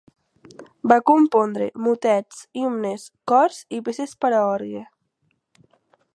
Va compondre motets, himnes, cors, i peces per a orgue.